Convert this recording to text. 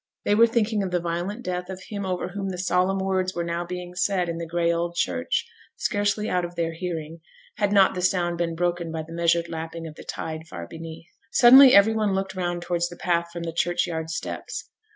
They were thinking of the violent death of him over whom the solemn words were now being said in the gray old church, scarcely out of their hearing, had not the sound been broken by the measured lapping of the tide far beneath. Suddenly every one looked round towards the path from the churchyard steps.